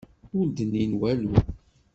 Ur d-nnin walu.